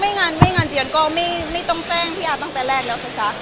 ไม่งั้นไม่งั้นจริงก็ไม่ต้องแจ้งพี่อาร์ตั้งแต่แรกแล้วสักครั้ง